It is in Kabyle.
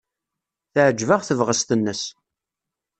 Teɛjeb-aɣ tebɣest-nnes.